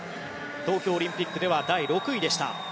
東京オリンピックでは第６位でした。